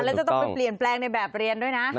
แล้วจะต้องไปเปลี่ยนแปลงในแบบเรียนด้วยนะ